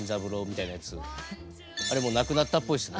あれもうなくなったっぽいですね。